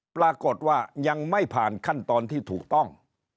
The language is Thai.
ปรากฏว่ายังไม่ผ่านขั้นตอนที่ถูกต้อง